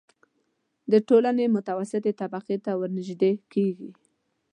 د ټولنې متوسطې طبقې ته ورنژدې کېږي.